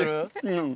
うん。